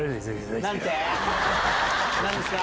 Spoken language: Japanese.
何ですか？